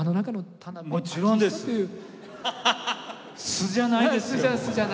素じゃないですね。